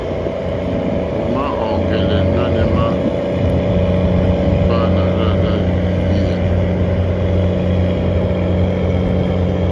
O ma ɔ̀ŋgɛlɛ nanù ema imba nà rza o hwiya e?